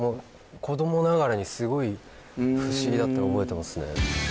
子どもながらにすごい不思議だったの覚えてますね